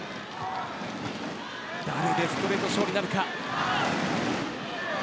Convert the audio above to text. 誰でストレート勝利なるか。